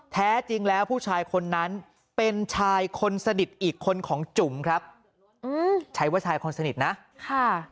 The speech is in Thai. แท้จริงแล้วผู้ชายคนนั้นเป็นชายคนสนิทอีกคนของจุ๋มครับอืมใช้ว่าชายคนสนิทนะค่ะ